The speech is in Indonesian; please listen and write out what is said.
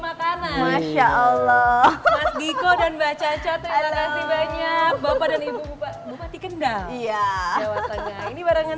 makanan masya allah diko dan baca caturkannya bapak dan ibu bupa bupa tikendal iya ini barengan